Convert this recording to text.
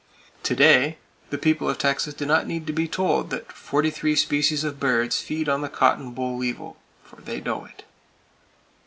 To day, the people of Texas do not need to be told that forty three species of birds feed on the cotton boll weevil; for they know it.